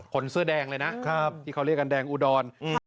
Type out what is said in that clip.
คนเสื้อแดงเลยนะที่เขาเรียกกันแดงอุดร